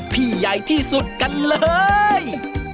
ใหญ่ที่สุดกันเลย